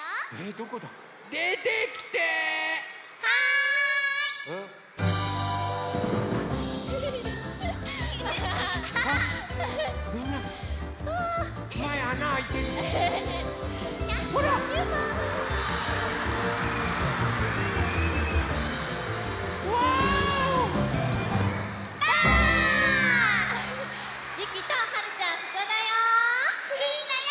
ここだよ！